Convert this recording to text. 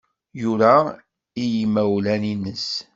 Yura i yimawlan-nnes.